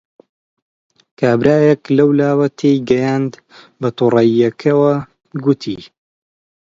کابرایەک لەولاوە تێی گەیاند، بەتووڕەیییەکەوە گوتی: